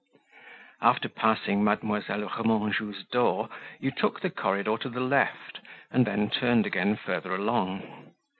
After passing Mademoiselle Remanjou's door, you took the corridor to the left, and then turned again further along.